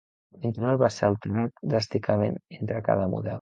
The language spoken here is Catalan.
L'interior va ser alterat dràsticament entre cada model.